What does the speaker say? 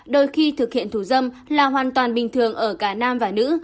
đôi khi thực hiện thủ dâm là hoàn toàn bình thường ở cả nam và nữ